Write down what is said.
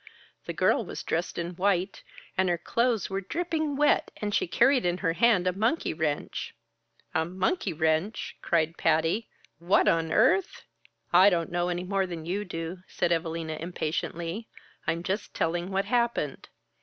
The girl was dressed in white and her clothes were dripping wet, and she carried in her hand a monkey wrench." "A monkey wrench!" cried Patty. "What on earth " "I don't know any more than you do," said Evalina impatiently. "I'm just telling what happened.